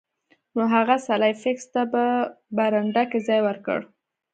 نو هغه سلای فاکس ته په برنډه کې ځای ورکړ